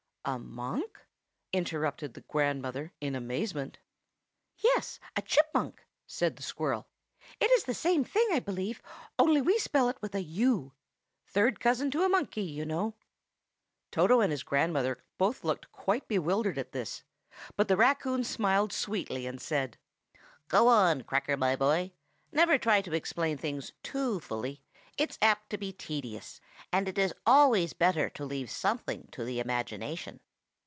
"A monk?" interrupted the grandmother in amazement. "Yes, a Chipmunk!" said the squirrel. "It's the same thing, I believe, only we spell it with a u. Third cousin to a monkey, you know." Toto and his grandmother both looked quite bewildered at this; but the raccoon smiled sweetly, and said,— "Go on, Cracker, my boy! never try to explain things too fully; it's apt to be a little tedious, and it is always better to leave something to the imagination."